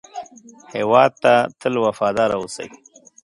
هېواد ته تل وفاداره اوسئ